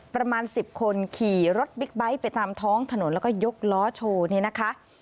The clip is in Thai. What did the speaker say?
ประมาณ๑๐คนขี่รถบิ๊กไบท์ไปตามท้องถนนแล้วก็ยกล้อโชว์เนี่ยนะคะ